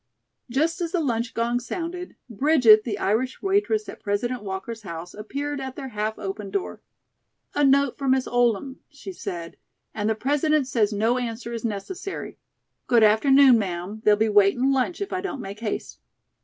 Just as the lunch gong sounded, Bridget, the Irish waitress at President Walker's house, appeared at their half open door. "A note for Miss Oldham," she said; "and the President says no answer is necessary. Good afternoon, ma'am; they'll be waitin' lunch if I don't make haste."